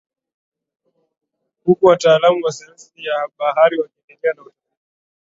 Huku wataalamu wa sayansi ya bahari wakiendelea na utafiti